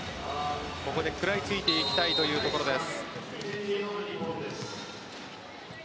ここで食らいついていきたいというところです。